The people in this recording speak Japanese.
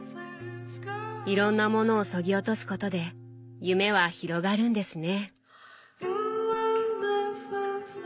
いろんなものをそぎ落とすことで夢は広がるんですね。